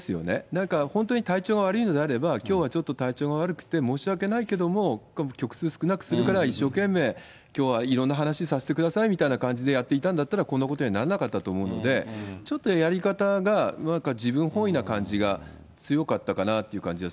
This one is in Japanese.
なんか本当に体調が悪いのであれば、きょうはちょっと体調が悪くて申し訳ないけども、曲数少なくするから、一生懸命、きょうはいろんな話させてくださいって感じでやっていたんだったら、こんなことにはならなかったと思うので、ちょっとやり方がなんか自分本位な感じが強かったかなっていう感